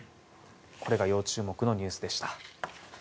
要注目のニュースでした。